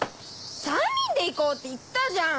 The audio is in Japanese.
３人で行こうって言ったじゃん！